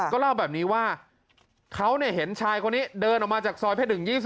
ก็เล่าแบบนี้ว่าเขาเห็นชายคนนี้เดินออกมาจากซอยเพชร๑๒๐